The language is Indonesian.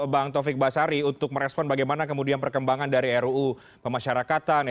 bang taufik basari untuk merespon bagaimana kemudian perkembangan dari ruu pemasyarakatan